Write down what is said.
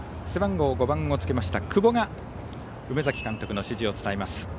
背番号５をつけた久保が梅崎監督の指示を伝えます。